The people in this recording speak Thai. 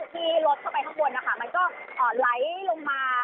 ที่รถเข้าไปข้างบนนะคะมันก็ไหลลงมา